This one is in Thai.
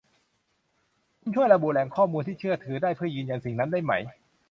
คุณช่วยระบุแหล่งข้อมูลที่เชื่อถือได้เพื่อยืนยันสิ่งนั้นได้มั้ย